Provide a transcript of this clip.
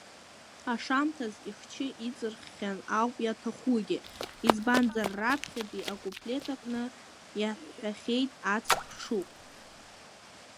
Ашамҭаз ихчы иҵырххьан ауп иаҭахугьы, избанзар раԥхьатәи акуплет аҟны иаҳҳәахьеит аҵх ԥҽуп.